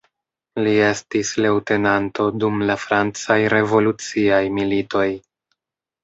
Li estis leŭtenanto dum la francaj revoluciaj militoj.